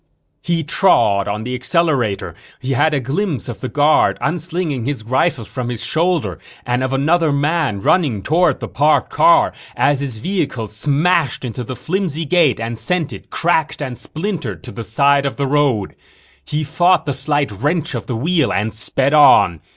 _ He trod on the accelerator. He had a glimpse of the guard unslinging his rifle from his shoulder and of another man running toward the parked car as his vehicle smashed into the flimsy gate and sent it, cracked and splintered, to the side of the road. He fought the slight wrench of the wheel and sped on.